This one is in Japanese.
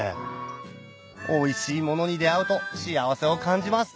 おいしいものに出合うと幸せを感じます